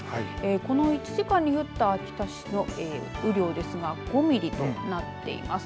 この１時間に降った秋田市の雨量ですが５ミリとなっています。